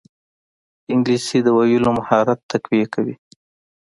انګلیسي د ویلو مهارت تقویه کوي